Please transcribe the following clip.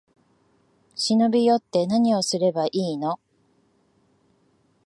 忍び寄って、なにをすればいいの？